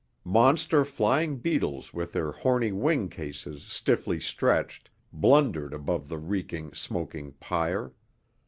Monster flying beetles with their horny wing cases stiffly stretched, blundered above the reeking, smoking pyre.